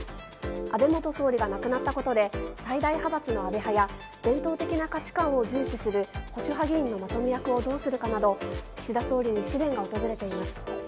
安倍元総理が亡くなったことで最大派閥の安倍派や伝統的な価値観を重視する保守派議員のまとめ役をどうするかなど岸田総理に試練が訪れています。